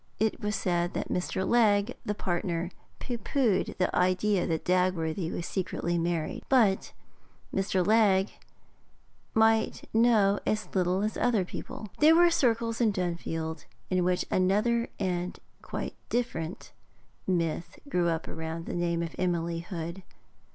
It was said that Mr. Legge, the partner, pooh poohed the idea that Dagworthy was secretly married. But Mr. Legge might know as little as other people. There were circles in Dunfield in which another and quite a different myth grew up around the name of Emily Hood.